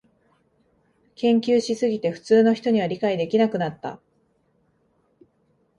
研究しすぎて普通の人には理解できなくなった